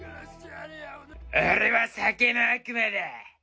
俺は酒の悪魔だ。